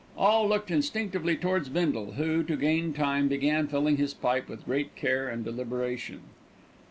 All looked instinctively towards Bindle, who, to gain time, began filling his pipe with great care and deliberation.